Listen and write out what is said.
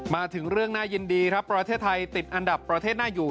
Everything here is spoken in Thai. มาถึงเรื่องน่ายินดีครับประเทศไทยติดอันดับประเทศน่าอยู่